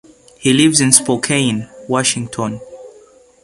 He lives in Spokane, Washington.